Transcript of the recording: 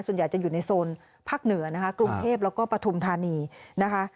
ส่วนใหญ่จะอยู่ในโซนภาคเหนือนะคะกรุงเทพแล้วก็ปฐุมธานีนะคะ